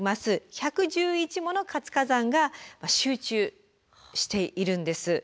１１１もの活火山が集中しているんです。